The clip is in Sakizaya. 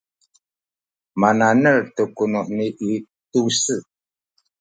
mana’nel tu ku heni i tu-se